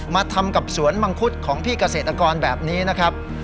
มาทำกับสวนมังคุดของพี่เกษตรกรแบบนี้นะครับ